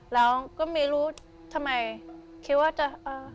แล้วก็ไม่รู้ทำไมคิดว่าจะเอ่อ